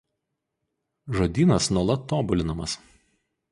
Žodynas nuolat tobulinamas.